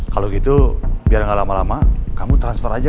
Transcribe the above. kalau gitu biar gak lama lama kamu transfer aja